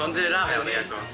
お願いします。